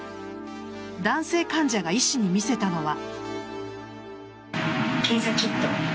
男性患者が医師に見せたのは。